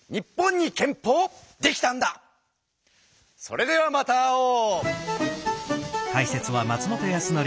それではまた会おう！